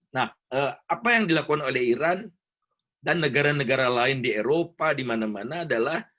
nah apa yang dilakukan oleh iran dan negara negara lain di eropa di mana mana adalah